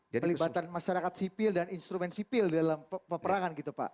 pelibatan masyarakat sipil dan instrumen sipil dalam peperangan gitu pak